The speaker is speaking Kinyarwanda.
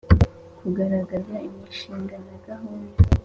Kugaragaza imishinga na gahunda